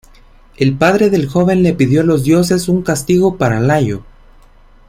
El padre del joven le pidió a los dioses un castigo para Layo.